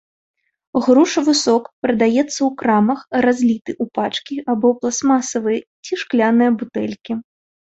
Грушавы сок прадаецца ў крамах разліты ў пачкі або пластмасавыя ці шкляныя бутэлькі.